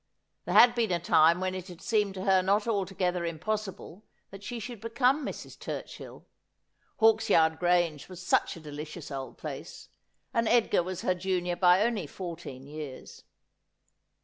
There had been a time when it had seemed to her not alto gether impossible that she should become Mrs. Turchill. Hawksyard Grange was such a delicious old place ; and Edgar was her junior by only fourteen years.